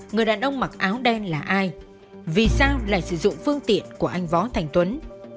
người đàn ông mặc áo đen là ai vì sao lại sử dụng phương tiện của anh võ thành tuấn